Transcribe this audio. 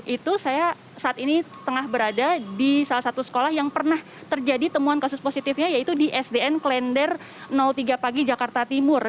itu saya saat ini tengah berada di salah satu sekolah yang pernah terjadi temuan kasus positifnya yaitu di sdn klender tiga pagi jakarta timur